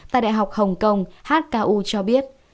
tại đại học hồng kông hku cho biết